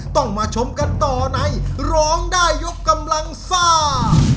ต้องมาชมกันต่อในร้องได้ยกกำลังซ่า